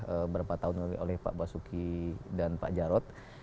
beberapa tahun lalu oleh pak basuki dan pak jarod